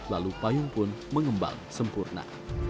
lalu payung pun mengembang sempurna